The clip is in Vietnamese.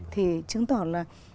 thì chứng tỏ là